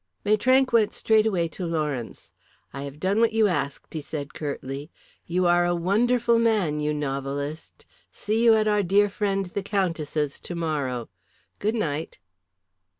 Maitrank went straight away to Lawrence. "I have done what you asked," he said curtly. "You are a wonderful man, you novelist; see you at our dear friend the Countess's tomorrow. Good night."